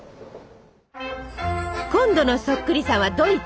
今度のそっくりさんはドイツ。